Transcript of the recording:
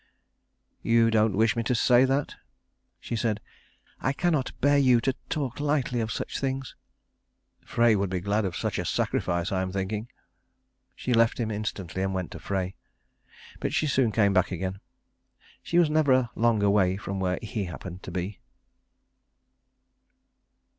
"You don't wish me to say that?" She said, "I cannot bear you to talk lightly of such things." "Frey would be glad of such a sacrifice, I am thinking." She left him instantly and went to Frey. But she soon came back again. She was never long away from where he happened to be.